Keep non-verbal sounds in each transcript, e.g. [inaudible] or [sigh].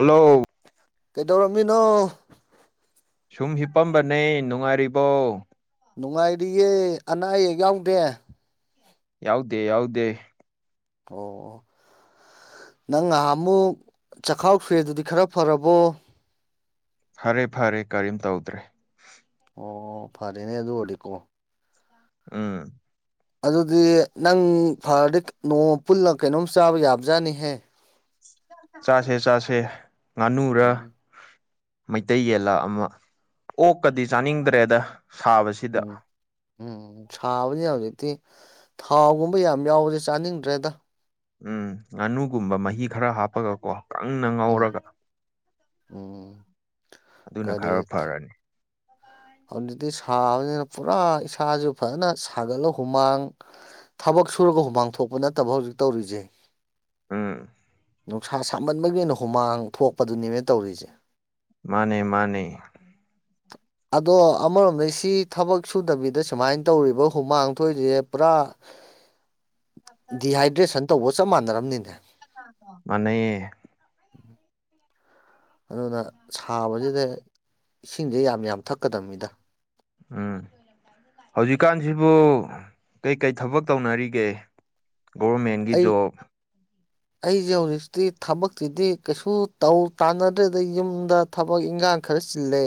hello ꯀꯩꯗꯧꯔꯝꯃꯤꯅꯣ ꯁꯨꯝ ꯍꯤꯞꯄꯝꯕꯅꯦ ꯅꯨꯡꯉꯥꯏꯔꯤꯕꯣ ꯅꯨꯡꯉꯥꯏꯔꯤꯌꯦ ꯑꯅꯥ ꯑꯌꯦꯛ ꯌꯥꯎꯗꯦ ꯌꯥꯎꯗꯦ ꯌꯥꯎꯗꯦ ꯑꯣ ꯑꯣ ꯅꯪ ꯉꯥꯍꯥꯃꯨꯛ ꯆꯈꯥꯎ ꯁꯣꯛꯑꯦꯗꯨꯗꯤ ꯈꯔ ꯐꯔꯕꯣ ꯐꯔꯦ ꯐꯔꯦ ꯀꯔꯤꯝ ꯇꯧꯗ꯭ꯔꯦ ꯑꯣ ꯐꯔꯦꯅꯦ ꯑꯗꯨ ꯑꯣꯏꯔꯗꯤꯀꯣ ꯎꯝ ꯑꯗꯨꯗꯤ ꯅꯪ ꯐꯔꯗꯤ ꯅꯣꯡꯃ ꯄꯨꯜꯂ ꯀꯩꯅꯣꯝ ꯆꯥꯕ ꯌꯥꯕꯖꯥꯠꯅꯤꯍꯦ ꯆꯥꯁꯦ ꯆꯥꯁꯦ ꯉꯥꯅꯨꯔ ꯎꯝ ꯃꯩꯇꯩ ꯌꯦꯜꯂꯥ ꯑꯃ ꯑꯣꯛꯀꯗꯤ ꯆꯥꯅꯤꯡꯗ꯭ꯔꯦꯗ ꯁꯥꯕꯁꯤ [inaudible] ꯎꯝ ꯁꯥꯕꯅꯤ ꯍꯧꯖꯤꯛꯇꯤ ꯊꯥꯎꯒꯨꯝꯕ ꯌꯥꯝ ꯌꯥꯎꯕꯁꯦ ꯆꯥꯅꯤꯡꯗ꯭ꯔꯦꯗ ꯎꯝ ꯉꯥꯅꯨꯒꯨꯝꯕ ꯃꯍꯤ ꯈꯔ ꯍꯥꯞꯄꯒꯀꯣ ꯀꯪꯅ ꯎꯝ ꯉꯥꯎꯔꯒ ꯎꯝ ꯑꯗꯨꯅ ꯀꯔꯤ ꯈꯔ ꯊꯥꯎ ꯐꯔꯅꯤ ꯍꯧꯖꯤꯛꯇꯤ ꯁꯥꯕꯅꯤꯅ ꯄꯨꯔꯥ ꯏꯁꯥꯁꯨ ꯐꯖꯅ ꯁꯥꯒꯠꯂ ꯍꯨꯃꯥꯡ ꯊꯕꯛ ꯁꯨꯔꯒ ꯍꯨꯃꯥꯡ ꯊꯣꯛꯄ ꯅꯠꯇꯕ ꯍꯧꯖꯤꯛ ꯇꯧꯔꯤꯁꯦ ꯎꯝ ꯅꯨꯡꯁꯥ ꯁꯥꯃꯟꯕꯒꯤ ꯍꯨꯃꯥꯡ ꯊꯣꯛꯄꯗꯨꯅꯦꯅꯕꯥ ꯑꯩꯅꯥ ꯇꯧꯔꯤꯁꯦ ꯃꯥꯅꯦ ꯃꯥꯅꯦ ꯑꯗꯣ ꯑꯃꯔꯣꯝꯗꯩ ꯁꯤ ꯊꯕꯛ ꯁꯨꯗꯕꯤꯗ ꯁꯨꯃꯥꯏꯅ ꯇꯧꯔꯤꯕ ꯍꯨꯃꯥꯡꯊꯣꯛꯏꯁꯦ ꯄꯨꯔꯥ [unintelligible] [inaudible] ꯗꯤꯍꯥꯏꯗ꯭ꯔꯦꯁꯟ ꯇꯧꯕ ꯆꯞ ꯃꯥꯟꯅꯔꯝꯗꯣꯏꯅꯦ ꯃꯅꯩꯌꯦ ꯑꯗꯨꯅ ꯁꯥꯕꯁꯤꯗ ꯏꯁꯤꯡꯁꯦ ꯌꯥꯝ ꯌꯥꯝ ꯊꯛꯀꯗꯕꯅꯤꯗ ꯎꯝ ꯍꯧꯖꯤꯛꯀꯥꯟꯁꯤꯕꯨ ꯀꯩꯀꯩ ꯊꯕꯛ ꯇꯧꯅꯔꯤꯒꯦ ꯒꯣꯔꯔꯃꯦꯟꯒꯤ ꯑꯩ ꯖꯣꯕ ꯑꯩꯁꯦ ꯍꯧꯖꯤꯛꯇꯤ ꯊꯕꯛꯇꯤꯗꯤ ꯀꯩꯁꯨ ꯇꯧ ꯇꯥꯟꯅꯗ꯭ꯔꯦꯗ ꯌꯨꯝꯗ ꯊꯕꯛ ꯏꯟꯈꯥꯡ ꯈꯔ ꯆꯤꯜꯂꯦ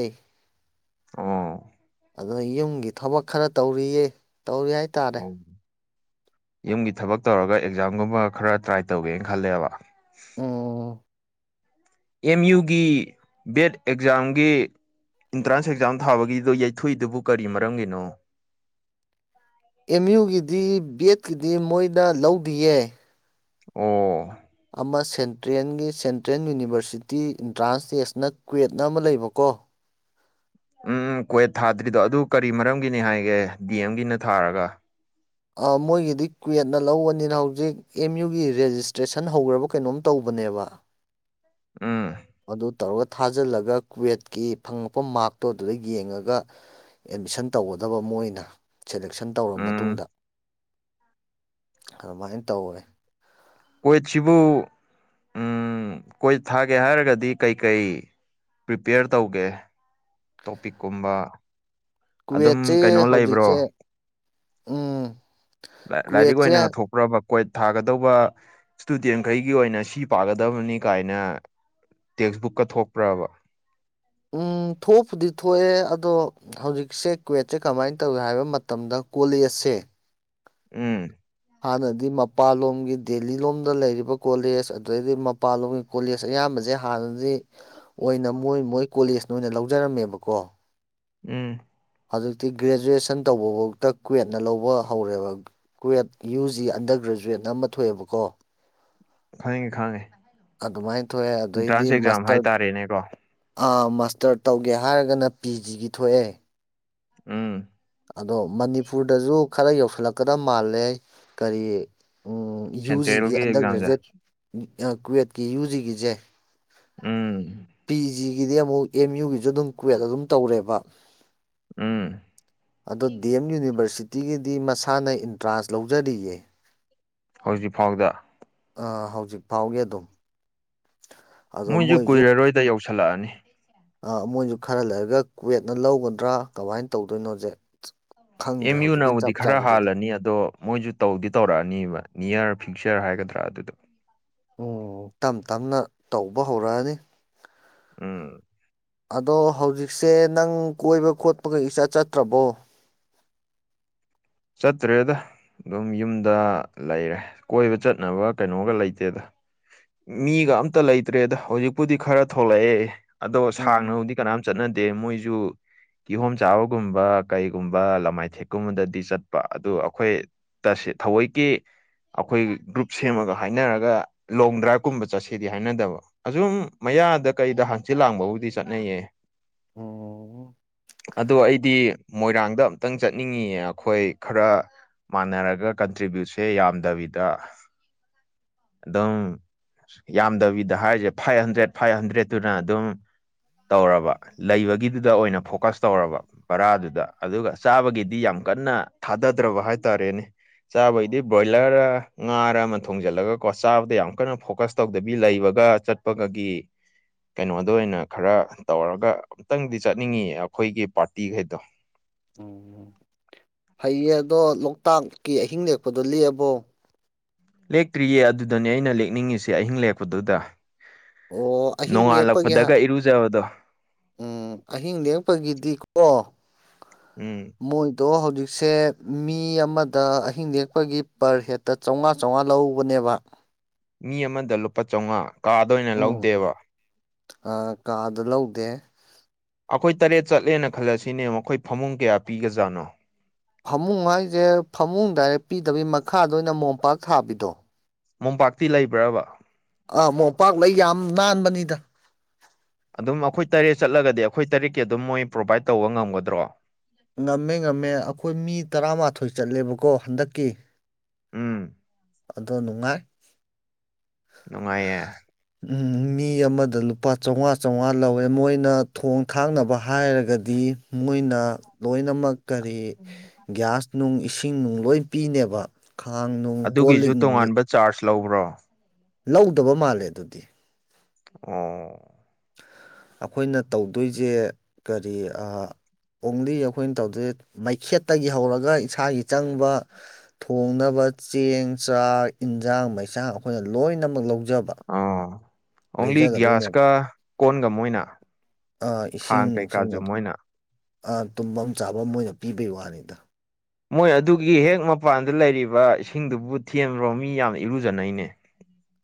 ꯑꯣ ꯑꯗ ꯌꯨꯝꯒꯤ ꯊꯕꯛ ꯈꯔ ꯇꯧꯔꯤꯌꯦ ꯇꯧꯔꯤ ꯍꯥꯏ ꯌꯨꯝꯒꯤ ꯊꯕꯛ ꯇꯧꯔꯒ ꯑꯦꯛꯖꯥꯝꯒꯨꯝꯕ ꯈꯔ ꯇ꯭ꯔꯥꯏ ꯇꯧꯒꯦꯅ ꯈꯜꯂꯦꯕ ꯎꯝ ꯑꯦꯝ ꯌꯨꯒꯤ ꯕꯦꯠ ꯑꯦꯛꯖꯥꯝꯒꯤ ꯑꯦꯟꯇ꯭ꯔꯥꯟꯁ ꯑꯦꯛꯖꯥꯝ ꯊꯥꯕꯒꯤꯗꯣ ꯌꯩꯊꯣꯛꯏꯗꯨꯕꯨ ꯀꯔꯤ ꯃꯔꯝꯒꯤꯅꯣ ꯑꯦꯝ ꯌꯨꯒꯤꯗꯤ ꯕꯦꯠꯀꯤꯗꯤ ꯃꯣꯏꯗ ꯂꯧꯗꯤꯌꯦ ꯑꯣ ꯑꯃ ꯁꯦꯟꯇ꯭ꯔꯦꯟꯒꯤ ꯁꯦꯟꯇ꯭ꯔꯦꯟ ꯌꯨꯅꯤꯚꯔꯁꯤꯇꯤ ꯑꯦꯟꯇ꯭ꯔꯥꯟꯁ ꯇꯦꯁꯅ ꯀ꯭ꯋꯦꯠꯅ ꯑꯃ ꯂꯩꯕꯀꯣ ꯎꯝ ꯀ꯭ꯋꯦꯠ ꯊꯥꯗ꯭ꯔꯤꯗꯣ ꯑꯗꯨ ꯀꯔꯤ ꯃꯔꯝꯒꯤꯅꯤ ꯍꯥꯏꯒꯦ ꯗꯤ ꯑꯦꯝꯒꯤꯅ ꯊꯥꯔꯒ ꯃꯣꯏꯒꯤꯗꯤ ꯀ꯭ꯋꯦꯠꯅ ꯂꯧꯕꯅꯤꯅ ꯍꯧꯖꯤꯛ ꯑꯦꯝ ꯌꯨꯒꯤ ꯔꯦꯖꯤꯁꯇ꯭ꯔꯦꯁꯟ ꯍꯧꯈ꯭ꯔꯕ ꯀꯩꯅꯣꯝ ꯇꯧꯕꯅꯦꯕ ꯎꯝ ꯑꯗꯨ ꯇꯧꯔꯒ ꯊꯥꯖꯤꯜꯂꯒ ꯀ꯭ꯋꯦꯠꯀꯤ ꯐꯪꯉꯛꯄ ꯃꯥꯔꯛꯇꯣ ꯑꯗꯨꯗ ꯌꯦꯡꯉꯒ ꯑꯦꯠꯃꯤꯁꯟ ꯇꯧꯒꯗꯕ ꯃꫭꯏꯅ ꯁꯦꯂꯦꯛꯁꯟ ꯇꯧꯔꯕ ꯎꯝ ꯃꯇꯨꯡꯗ ꯑꯗꯨꯃꯥꯏꯅ ꯇꯧꯋꯦ ꯑꯣꯏꯣꯏꯠꯁꯤꯕꯨ ꯎꯝ ꯀꯣꯏꯠ ꯊꯥꯒꯦ ꯍꯥꯏꯔꯒꯗꯤ ꯀꯩꯀꯩ ꯄ꯭ꯔꯤꯄꯦꯌꯔ ꯇꯧꯒꯦ ꯇꯣꯄꯤꯛꯀꯨꯝꯕ ꯑꯗꯨꯝ ꯀꯨꯋꯦꯠꯁꯦ ꯀꯩꯅꯣ ꯂꯩꯕ꯭ꯔꯣ ꯍꯧꯖꯤꯛꯁꯦ ꯎꯝ ꯂꯥꯏꯔꯤꯛ ꯑꯣꯏꯅꯒ ꯀ꯭ꯋꯦꯠꯁꯦ ꯊꯣꯛꯄꯔꯣ ꯀꯣꯏꯠ ꯊꯥꯒꯗꯧꯕ ꯏꯁꯇꯨꯗꯦꯟꯈꯩꯒꯤ ꯑꯣꯏꯅ ꯁꯤ ꯄꯥꯒꯗꯕꯅꯤ ꯀꯥꯏꯅ ꯇꯦꯛꯁꯕꯨꯛꯀ ꯊꯣꯛꯄ꯭ꯔꯕ ꯎꯝ ꯊꯣꯛꯄꯨꯗꯤ ꯊꯣꯛꯑꯦ ꯑꯗꯣ ꯍꯧꯖꯤꯛꯁꯦ ꯀ꯭ꯋꯦꯠꯁꯦ ꯀꯃꯥꯏꯅ ꯇꯧꯏ ꯍꯥꯏꯕ ꯃꯇꯝꯗ ꯀꯣꯂꯦꯖꯁꯦ ꯎꯝ ꯑꯗꯗꯤ ꯃꯄꯥꯟ ꯂꯣꯝꯒꯤ ꯗꯦꯜꯂꯤ ꯂꯣꯝꯗ ꯂꯩꯔꯤꯕ ꯀꯣꯂꯦꯖ ꯑꯗꯒꯤ ꯃꯄꯥꯟ ꯂꯣꯝꯒꯤ ꯀꯣꯂꯦꯖ ꯑꯌꯥꯝꯕꯁꯦ ꯍꯥꯟꯅꯗꯤ [inaudible] ꯑꯣꯏꯅ ꯃꯣꯏ ꯃꯣꯏ ꯀꯣꯂꯦꯖꯅ ꯑꯣꯏꯅ ꯂꯧꯖꯔꯝꯃꯦꯕꯀꯣ ꯎꯝ ꯍꯧꯖꯤꯛꯇꯤ ꯒ꯭ꯔꯦꯖꯨꯑꯦꯁꯟ ꯇꯧꯕꯐꯥꯎꯗ ꯀ꯭ꯋꯦꯠꯅ ꯂꯧꯕ ꯍꯧꯔꯦꯕ ꯀ꯭ꯨꯋꯦꯠ ꯌꯨ ꯖꯤ ꯑꯟꯗꯔ ꯒ꯭ꯔꯦꯖꯨꯋꯦꯠꯅ ꯑꯃ ꯊꯣꯛꯑꯦꯕꯀꯣ ꯈꯪꯉꯦ ꯈꯪꯉꯦ ꯑꯗꯨꯃꯥꯏ ꯊꯣꯛꯑꯦ ꯑꯗꯩꯗꯤ ꯑꯦꯟꯇ꯭ꯔꯥꯟꯁ ꯑꯦꯛꯖꯥꯝ ꯃꯁꯇꯔꯠ ꯍꯥꯏꯇꯥꯔꯦꯅꯦꯀꯣ ꯑ ꯃꯥꯁꯇꯔ ꯇꯧꯒꯦ ꯍꯥꯏꯔꯒꯅ ꯄꯤ ꯖꯤꯒꯤ ꯊꯣꯛꯑꯦ ꯎꯝ ꯑꯗꯣ ꯃꯅꯤꯄꯨꯔꯗꯁꯨ ꯈꯔ ꯌꯧꯁꯤꯜꯂꯛꯀꯗ ꯃꯥꯜꯂꯦ ꯀꯔꯤ ꯌꯨ ꯖꯤꯒꯤ ꯁꯦꯟꯇ꯭ꯔꯦꯜꯒꯤ ꯑꯟꯗꯔ ꯑꯦꯛꯖꯥꯝꯁꯦ ꯒ꯭ꯔꯦꯖꯨꯋꯦꯠ ꯀꯨꯋꯦꯠꯀꯤ ꯌꯨ ꯖꯤꯒꯤꯁꯦ ꯎꯝ ꯄꯤ ꯖꯤꯒꯤꯗꯤ ꯑꯃꯨꯛ ꯑꯦꯝ ꯌꯨꯒꯤꯁꯨ ꯑꯗꯨꯝ ꯀꯨꯋꯦꯠ ꯑꯗꯨꯝ ꯇꯧꯔꯦꯕ ꯎꯝ ꯑꯗꯣ ꯗꯤ ꯑꯦꯝ ꯌꯨꯅꯤꯕꯔꯁꯤꯇꯤꯒꯤꯗꯤ ꯃꯁꯥꯅ ꯏꯟꯇ꯭ꯔꯥꯟꯁ ꯂꯧꯖꯔꯤꯌꯦ ꯍꯧꯖꯤꯛ ꯐꯥꯎꯗ ꯍꯧꯖꯤꯛ ꯐꯥꯎꯒꯤ ꯑꯗꯨꯝ ꯑꯗꯣ ꯃꯣꯏꯁꯨ ꯀꯨꯏꯔꯔꯣꯏꯗ ꯌꯧꯁꯤꯜꯂꯛꯑꯅꯤ ꯑ ꯃꯣꯏꯁꯨ ꯈꯔ ꯂꯩꯔꯒ ꯀ꯭ꯋꯦꯠꯅ ꯂꯧꯒꯗ꯭ꯔꯥ ꯀꯃꯥꯏꯅ ꯇꯧꯗꯣꯏꯅꯣꯁꯦ ꯈꯪꯗ꯭ꯔꯦ ꯑꯦꯝ ꯍꯧꯖꯤꯛꯀꯤ ꯌꯨꯅꯕꯨꯗꯤ ꯆꯞ ꯈꯔ ꯆꯥꯕꯤꯗꯗꯤ ꯍꯥꯜꯂꯅꯤ ꯑꯗꯣ ꯃꯣꯏꯁꯨ ꯇꯧꯗꯤ ꯇꯧꯔꯛꯑꯅꯦꯕ ꯅꯤꯌꯔ ꯐ꯭ꯌꯨꯆꯔ ꯍꯥꯏꯒꯗ꯭ꯔꯥ ꯑꯗꯨꯗꯣ ꯎ ꯝꯇꯞ ꯇꯞꯅ ꯇꯧꯕ ꯍꯧꯔꯛꯑꯅꯤ ꯎꯝ ꯑꯗꯣ ꯍꯧꯖꯤꯛꯁꯦ ꯅꯪ ꯀꯣꯏꯕ ꯈꯣꯠꯄꯒ ꯏꯆꯠ ꯆꯠꯇ꯭ꯔꯕꯣ ꯆꯠꯇ꯭ꯔꯦꯗ ꯑꯗꯨꯝ ꯌꯨꯝꯗ ꯂꯩꯔꯦ ꯀꯣꯏꯕ ꯆꯠꯅꯕ ꯀꯩꯅꯣꯒ ꯂꯩꯇꯦꯗ ꯃꯤꯒ ꯑꯝꯇ ꯂꯩꯇ꯭ꯔꯦꯗ ꯍꯧꯖꯤꯛꯄꯨꯗꯤ ꯈꯔ ꯊꯣꯛꯂꯛꯑꯦ ꯑꯗꯣ ꯎꯝ ꯁꯥꯡꯅꯕꯨꯗꯤ ꯀꯅꯥꯝ ꯆꯠꯅꯗꯦ ꯑ ꯗꯦ ꯃꯣꯏꯁꯨ ꯀꯤꯍꯣꯝ ꯆꯥꯕꯒꯨꯝꯕ ꯀꯩꯒꯨꯝꯕ ꯂꯃꯥꯏꯊꯦꯛꯀꯨꯝꯕꯗꯗꯤ ꯆꯠ ꯑꯗꯨ ꯑꯩꯈꯣꯏ ꯇꯁ ꯊꯑꯣꯏꯒꯤ ꯑꯩꯈꯣꯏ ꯒ꯭ꯔꯨꯞ ꯁꯦꯝꯃꯒ ꯍꯥꯏꯅꯔꯒ ꯂꯣꯡ ꯗ꯭ꯔꯥꯏꯚ ꯀꯨꯝꯕ ꯆꯠꯁꯦꯗꯤ ꯍꯥꯏꯅꯗꯕ ꯑꯁꯨꯝ ꯃꯌꯥꯗ ꯀꯩꯗ ꯍꯥꯡꯆꯤꯜ ꯂꯥꯡꯕꯕꯨꯗꯤ ꯆꯠꯅꯩꯌꯦ ꯎꯝ ꯑꯗꯣ ꯑꯩꯗꯤ ꯃꯣꯏꯔꯥꯡꯗ ꯑꯝꯇꯪ ꯆꯠꯅꯤꯡꯉꯤꯑ ꯑꯩꯈꯣꯏ ꯈꯔ ꯃꯥꯟꯅꯔꯒ ꯀꯟꯇ꯭ꯔꯤꯕ꯭ꯌꯨꯠꯁꯦ ꯌꯥꯝꯗꯕꯤꯗ ꯗꯨꯝ ꯌꯥꯝꯗꯕꯤꯗ ꯍꯥꯏꯔꯤꯁꯦ ꯐꯥꯏꯚ ꯍꯟꯗ꯭ꯔꯦꯠ ꯐꯥꯏꯚ ꯍꯟꯗ꯭ꯔꯦꯠꯇꯨꯅ ꯑꯗꯨꯝ ꯇꯧꯔꯕ ꯂꯩꯕꯒꯤꯗꯨꯗ ꯑꯣꯏꯅ ꯐꯣꯀꯁ ꯇꯧꯔꯕ ꯕꯔꯥꯗꯨꯗ ꯑꯗꯨꯒ ꯆꯥꯕꯒꯤꯗꯤ ꯌꯥꯝ ꯀꯟꯅ ꯊꯥꯗꯗ꯭ꯔꯕ ꯍꯥꯏꯇꯥꯔꯦꯅꯦ ꯎꯝ ꯆꯥꯕꯩꯗꯤ ꯕ꯭ꯔꯣꯏꯂꯔ ꯉꯥꯔ ꯑꯃ ꯊꯣꯡꯖꯤꯜꯂꯒ ꯀꯣ ꯆꯥꯕꯗ ꯌꯥꯝ ꯀꯟꯅ ꯐꯣꯀꯁ ꯇꯧꯗꯕꯤ ꯂꯩꯕꯒ ꯆꯠꯄꯒꯒꯤ ꯀꯩꯅꯣꯗ ꯑꯣꯏꯅ ꯈꯔ ꯇꯧꯔꯒ ꯑꯝꯛꯇꯪꯗꯤ ꯆꯠꯅꯤꯡꯉ ꯑꯩꯈꯣꯏꯒꯤ ꯄꯥꯔꯇꯤꯈꯩꯗꯣ ꯎꯝ ꯐꯩꯌꯦ ꯑꯗꯣ ꯂꯣꯛꯇꯥꯛꯀꯤ ꯑꯍꯤꯡ ꯂꯦꯛꯄꯗꯣ ꯂꯦꯛꯑꯕꯣ ꯂꯦꯛꯇ꯭ꯔꯤꯌꯦ ꯑꯗꯨꯗꯅꯦ ꯑꯩꯅ ꯂꯦꯛꯅꯤꯡꯉꯤꯁꯦ ꯑꯍꯤꯡ ꯂꯦꯛꯄꯗꯨꯗ ꯑꯣ ꯑꯍꯤꯡ ꯂꯦꯛꯄꯒꯤ ꯅꯣꯡꯉꯥꯜꯂꯛꯄꯗꯒ ꯏꯔꯨꯖꯕꯗꯣ ꯎꯝ ꯑꯍꯤꯡ ꯅꯦꯛꯄꯒꯤꯗꯤꯀꯣ ꯎꯝ ꯃꯣꯏꯗꯣ ꯍꯧꯖꯤꯛꯁꯦ ꯃꯤ ꯑꯃꯗ ꯑꯍꯤꯡ ꯅꯦꯛꯄꯒꯤ ꯄꯔ ꯍꯦꯠ ꯇ ꯆꯧꯉꯥ ꯆꯧꯉꯥ ꯂꯧꯕꯅꯦꯕ ꯃꯤ ꯑꯃꯗ ꯂꯨꯄꯥ ꯆꯧꯉꯥ ꯀꯥꯗ ꯑꯣꯏꯅ ꯂꯧꯗꯦꯕ ꯑꯥ ꯀꯥꯗꯣ ꯂꯧꯗꯦ ꯑꯩꯈꯣꯏ ꯇꯔꯦꯠ ꯆꯠꯂꯦꯅ ꯈꯜꯂꯁꯤꯅꯦ ꯃꯈꯣꯏ ꯐꯃꯨꯡ ꯀꯌꯥ ꯄꯤꯒꯖꯥꯠꯅꯣ ꯐꯃꯨꯡ ꯍꯥꯏꯁꯦ ꯐꯃꯨꯡ ꯗꯥꯏꯔꯦꯛ ꯄꯤꯗꯕꯩ ꯃꯈꯥꯗ ꯑꯣꯏꯅ ꯃꯣꯝꯄꯥꯛ ꯊꯥꯕꯤꯗꯣ ꯃꯣꯝꯄꯥꯛꯇꯤ ꯂꯩꯕ꯭ꯔꯥꯕ ꯑꯥ ꯃꯣꯝꯄꯥꯛꯂꯩ ꯌꯥꯝ ꯅꯥꯟꯕꯅꯤꯗ ꯑꯗꯨꯝ ꯑꯩꯈꯣꯏ ꯇꯔꯦꯠ ꯆꯠꯂꯒꯗꯤ ꯑꯩꯈꯣꯏ ꯇꯔꯦꯠꯀꯤ ꯑꯗꯨꯝ ꯃꯣꯏ ꯄ꯭ꯔꯣꯕꯥꯏꯠ ꯇꯧꯕ ꯉꯝꯒꯗ꯭ꯔꯣ ꯉꯝꯃꯦ ꯉꯝꯃꯦ ꯑꯩꯈꯣꯏ ꯃꯤ ꯇꯔꯥꯃꯥꯊꯣꯏ ꯆꯠꯂꯦꯕꯀꯣ ꯍꯟꯗꯛꯀꯤ ꯎꯝ ꯑꯗꯣ ꯅꯨꯡꯉꯥꯏ ꯅꯨꯡꯉꯥꯏꯌꯦ ꯎꯝ ꯃꯤ ꯑꯃꯗ ꯂꯨꯄꯥ ꯆꯧꯉꯥ ꯆꯧꯉꯥ ꯂꯧꯋꯦ ꯃꯣꯏꯅ ꯊꯣꯡ ꯈꯥꯡꯅꯕ ꯍꯥꯏꯔꯒꯗꯤ ꯃꯣꯏꯅ ꯂꯣꯏꯅꯃꯛ ꯀꯔꯤ ꯒ꯭ꯌꯥꯁ ꯅꯨꯡ ꯏꯁꯤꯡ ꯅꯨꯡ ꯂꯣꯏ ꯄꯤꯅꯦꯕ ꯈꯥꯡ ꯅꯨꯡ ꯀꯣꯜ ꯑꯗꯨꯒꯤꯁꯨ ꯂꯤꯛ ꯅꯨꯡ ꯇꯣꯉꯥꯟꯕ ꯆꯥꯔꯖ ꯂꯧꯕ꯭ꯔꯣ ꯂꯧꯗꯕ ꯃꯥꯜꯂꯦ ꯑꯗꯨꯗꯤ ꯑꫭ ꯑꯩꯈꯣꯏꯅ ꯇꯧꯗꯣꯏꯖꯦ ꯀꯔꯤ ꯑꯥ ꯑꯣꯡꯂꯤ ꯑꯩꯈꯣꯏꯅ ꯇꯧꯗꯦ ꯃꯩꯈꯦꯠꯇꯒꯤ ꯍꯧꯔꯒ ꯏꯁꯥꯒꯤ ꯆꯪꯕ ꯊꯣꯡꯅꯕ ꯆꯦꯡ ꯆꯥꯛ ꯌꯦꯟꯁꯥꯡ ꯃꯩꯁꯥꯡ ꯑꯩꯈꯣꯏꯅ ꯂꯣꯏꯅꯃꯛ ꯂꯧꯖꯕ ꯑꯥ ꯑꯣꯡꯂꯤ ꯒ꯭ꯌꯥꯁꯀ ꯂꯩꯖꯒꯗꯣꯏꯅꯦꯕ ꯀꯣꯟꯒ ꯃꯣꯏꯅ ꯑ ꯈꯥꯡ ꯀꯩꯀꯥꯖꯨ ꯃꯣꯏꯅ ꯑꯥ ꯇꯨꯝꯕꯝ ꯆꯥꯕꯝ ꯃꯣꯏꯅ ꯄꯤꯕꯩ ꯋꯥꯅꯤꯗ ꯃꯣꯏ ꯑꯗꯨꯒꯤ ꯍꯦꯛ ꯃꯄꯥꯟꯗ ꯂꯩꯔꯤꯕ ꯏꯁꯤꯡꯗꯨꯕꯨ ꯊꯦꯟꯕ꯭ꯔꯣ ꯃꯤ ꯌꯥꯝꯅ ꯏꯔꯨꯖꯅꯩꯅꯦ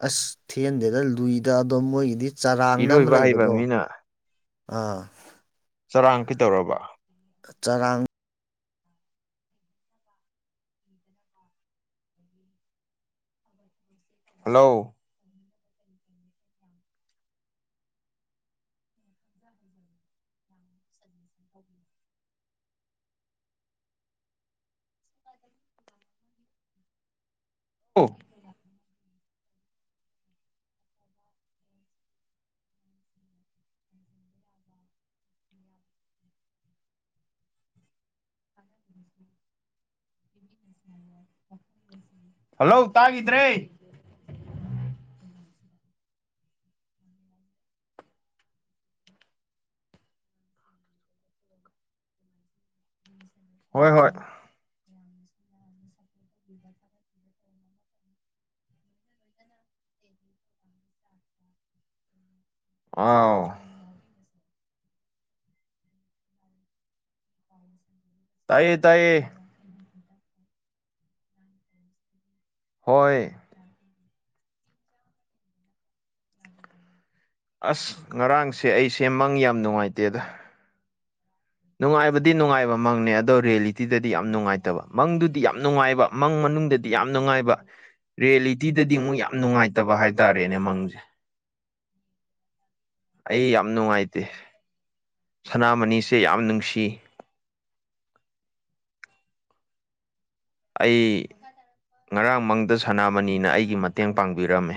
ꯑꯁ ꯊꯦꯟꯗꯦꯗ ꯂꯨꯏꯗ ꯑꯗꯣ ꯃꯣꯏꯒꯤꯗꯤ ꯆꯔꯥꯡꯅ ꯑꯃ ꯏꯔꯣꯏꯕ ꯍꯩꯕ ꯂꯩꯕꯗꯣ ꯃꯤꯅ ꯑꯥ ꯆꯔꯥꯡ ꯀꯤꯇꯧꯔꯕ ꯆꯔꯥꯡ ꯗꯅ [inaudible] [inaudible] ꯑꯁꯤ [inaudible] ꯍꯂꯣ [inaudible] [inaudible] [unintelligible] [inaudible] ꯑꯣ [unintelligible] ꯍꯜꯂꯣ ꯇꯥꯒꯤꯗ꯭ꯔꯦ ꯍꯣꯏ ꯍꯣꯏ ꯑꯥꯎ [unintelligible] ꯇꯥꯏꯌꯦ ꯇꯥꯏꯌꯦ ꯍꯣꯏ ꯑꯁ ꯉꯔꯥꯡꯁꯦ ꯑꯩꯁꯦ ꯃꯪ ꯌꯥꯝ ꯅꯨꯡꯉꯥꯏꯇꯦꯗ ꯅꯨꯡꯉꯥꯏꯕꯗꯤ ꯅꯨꯡꯉꯥꯏꯕ ꯃꯪꯅꯦ ꯑꯗꯣ ꯔꯤꯌꯦꯂꯤꯇꯤꯗꯗꯤ ꯌꯥꯝ ꯅꯨꯡꯉꯥꯏꯇꯕ ꯃꯪꯗꯨꯗꯤ ꯌꯥꯝ ꯅꯨꯡꯉꯥꯏꯕ ꯃꯪ ꯃꯅꯨꯡꯗꯗꯤ ꯌꯥꯝ ꯅꯨꯡꯉꯥꯏꯕ ꯔꯤꯌꯦꯂꯤꯇꯤꯗꯗꯤ ꯑꯃꯨꯛ ꯌꯥꯝ ꯅꯨꯡꯉꯥꯏꯇꯕ ꯍꯥꯏꯇꯥꯔꯦꯅꯦ ꯃꯪꯖꯦ ꯑꯩ ꯌꯥꯝ ꯅꯨꯡꯉꯥꯏꯇꯦ ꯁꯅꯥꯃꯅꯤꯁꯦ ꯌꯥꯝ ꯅꯨꯡꯁꯤ ꯑꯩ ꯉꯔꯥꯡ ꯃꯪꯗ ꯁꯅꯥꯃꯅꯤꯅ ꯑꯩꯒꯤ ꯃꯇꯦꯡ ꯄꯥꯡꯕꯤꯔꯝꯃꯦ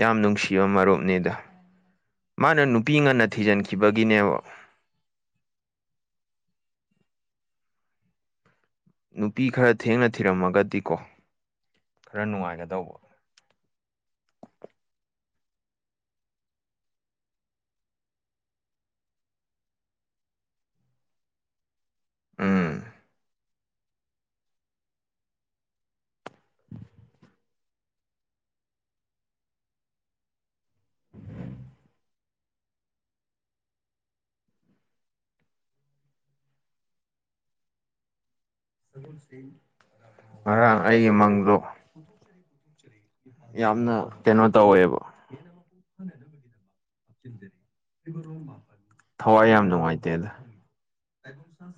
ꯌꯥꯝ ꯅꯨꯡꯁꯤꯕ ꯃꯔꯨꯞꯅꯦꯗ ꯃꯥꯅ ꯅꯨꯄꯤ ꯉꯟꯅ ꯊꯤꯖꯤꯟꯈꯤꯕꯒꯤꯅꯦꯕ ꯅꯨꯄꯤ ꯈꯔ ꯊꯦꯡꯅ ꯊꯤꯔꯝꯃꯒꯗꯤꯀꯣ ꯈꯔ ꯅꯨꯡꯉꯥꯏꯒꯗꯧꯕ ꯎꯝ ꯉꯔꯥꯡ ꯑꯩꯒꯤ ꯃꯪꯗꯣ ꯌꯥꯝꯅ ꯀꯩꯅꯣ ꯇꯧꯋꯦꯕ ꯊꯋꯥꯏ ꯌꯥꯝ ꯅꯨꯡꯉꯥꯏꯇꯦ ꯗ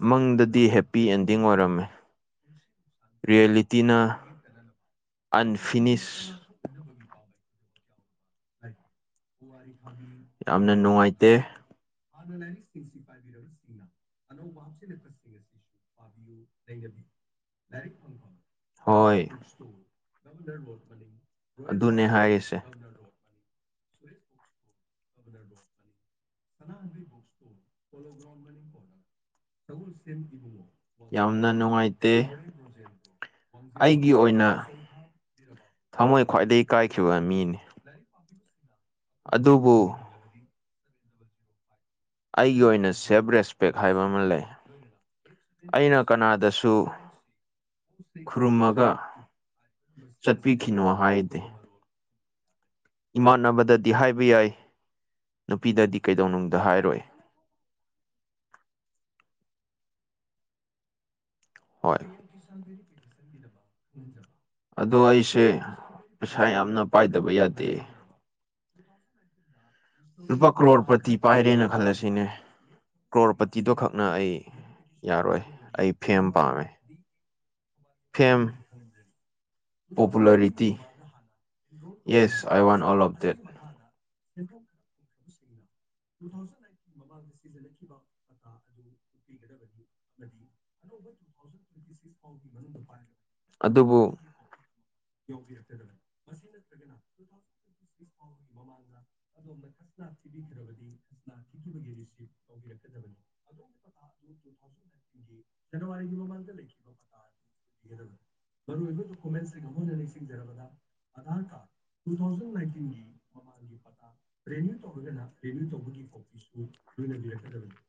ꯃꯪꯗꯗꯤ ꯍꯦꯞꯄꯤ ꯑꯦꯟꯗꯤꯡ ꯑꯣꯏꯔꯝꯃꯦ ꯔꯦꯌꯦꯂꯤꯇꯤꯅ ꯑꯟꯐꯤꯅꯤꯁ ꯌꯥꯝꯅ ꯅꯨꯡꯉꯥꯏꯇꯦ [unintelligible] ꯍꯣꯏ ꯑꯗꯨꯅꯦ ꯍꯥꯏꯔꯤꯁꯦ [unintelligible] ꯌꯥꯝꯅ ꯅꯨꯡꯉꯥꯏꯇꯦ ꯑꯩꯒꯤ ꯑꯣꯏꯅ ꯊꯃꯣꯏ ꯈ꯭ꯋꯥꯏꯗꯒꯤ ꯀꯥꯏꯈꯤꯕ ꯃꯤꯅꯦ ꯑꯗꯨꯕꯨ ꯑꯩꯒꯤ ꯑꯣꯏꯅ ꯁꯦꯜꯞ ꯔꯦꯁꯄꯦꯛ ꯍꯥꯏꯕ ꯑꯃ ꯂꯩ ꯑꯩꯅ ꯀꯅꯥꯗꯁꯨ ꯈꯨꯔꯨꯝꯃꯒ ꯆꯠꯄꯤꯈꯤꯅꯣ ꯍꯥꯏꯗꯦ ꯏꯃꯥꯟꯅꯕꯗꯗꯤ ꯍꯥꯏꯕ ꯌꯥꯏ ꯅꯨꯄꯤꯗꯗꯤ ꯀꯩꯗꯧꯅꯨꯡꯗ ꯍꯥꯏꯔꯣꯏ ꯍꯣꯏ ꯑꯗꯣ ꯑꯩꯁꯦ ꯄꯩꯁꯥ ꯌꯥꯝꯅ ꯄꯥꯏꯗꯕ ꯌꯥꯗꯦ ꯂꯨꯄꯥ ꯀ꯭ꯔꯣꯔ ꯄꯇꯤ ꯄꯥꯏꯔꯦꯅ ꯈꯜꯂꯁꯤꯅꯦ ꯀ꯭ꯔꯣꯔꯄꯇꯤꯗꯣ ꯈꯛꯅ ꯑꯩ ꯌꯥꯔꯣꯏ ꯑꯩ ꯐꯦꯝ ꯄꯥꯝꯃꯦ fame popularity yes I want all of date [unintelligible] [unintelligible] [unintelligible] ꯑꯗꯨꯕꯨ [unintelligible] [unintelligible] [unintelligible] [unintelligible] [unintelligible] [unintelligible]